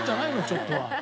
ちょっとは。